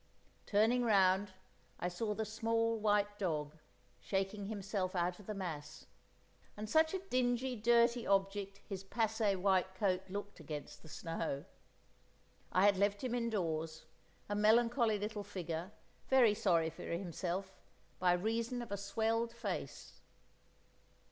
Turning round, I saw the small white dog, shaking himself out of the mass—and such a dingy dirty object his passé white coat looked against the snow! I had left him indoors, a melancholy little figure, very sorry for himself, by reason of a swelled face.